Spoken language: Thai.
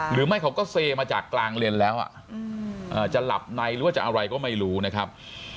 หรือไม่เขาก็เซมาจากกลางเลนแล้วจะหลับในหรือว่าจะอะไรก็ไม่รู้นะครับ